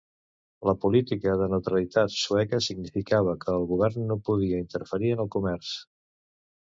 La política de neutralitat sueca significava que el govern no podia interferir en el comerç.